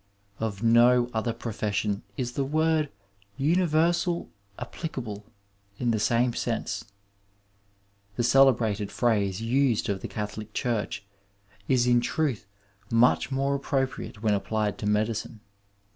Of no other profession is the word universal applicable in the same sense. The celebrated phrase used of the Catholic Church is in truth much more appropriate when applied to medicine.